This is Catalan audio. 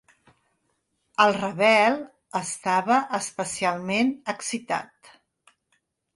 El Ravel estava especialment excitat.